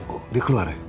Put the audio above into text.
oh dia keluar ya